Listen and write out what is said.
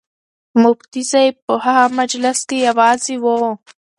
مفتي صاحب په هغه مجلس کې یوازې و.